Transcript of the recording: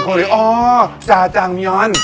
คนอื่นก็เลยอ๋อจาจางเมยอน